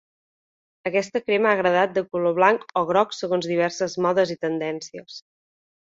Aquesta crema ha agradat de color blanc o groc segons diverses modes i tendències.